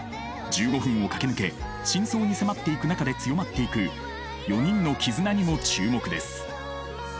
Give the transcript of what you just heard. １５分を駆け抜け真相に迫っていく中で強まっていく４人の絆にも注目です。